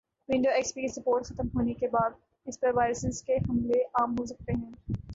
Windows X P کی support ختم ہونے کی بعد اس پر وائرسز کے حملے عام ہوسکتے ہیں